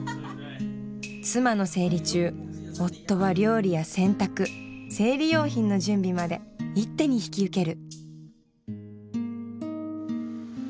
妻の生理中夫は料理や洗濯生理用品の準備まで一手に引き受ける。